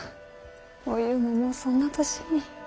おゆうももうそんな年に。